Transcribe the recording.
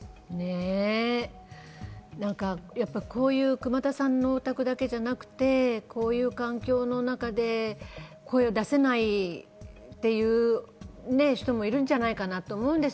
熊田さんのお宅だけでなくてこういう環境の中で声を出せないっていう人もいるんじゃないかなと思うんです。